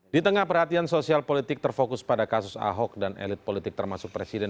di tengah perhatian sosial politik terfokus pada kasus ahok dan elit politik termasuk presiden